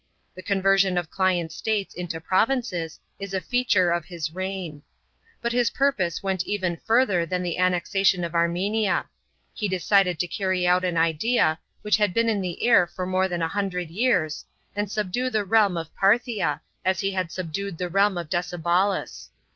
The conversion of client states into provinces is a feature of his reign. But his purpose went even further than the annexation of Armenia. He decided to carry out an idea, which had been in the air for more than a hundred years, and subdue the 450 TRAJAN'S PRINCIPATE. CHAP. XXTV. realm of Parthla, as he had subdued the realm of Decebalus.